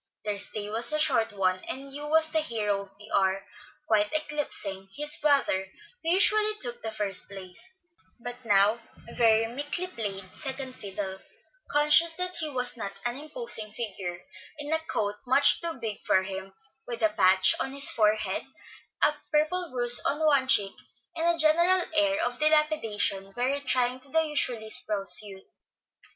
Their stay was a short one, and Hugh was the hero of the hour, quite eclipsing his brother, who usually took the first place, but now very meekly played second fiddle, conscious that he was not an imposing figure, in a coat much too big for him, with a patch on his forehead, a purple bruise on one cheek, and a general air of dilapidation very trying to the usually spruce youth.